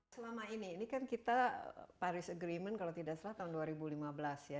selama ini ini kan kita paris agreement kalau tidak salah tahun dua ribu lima belas ya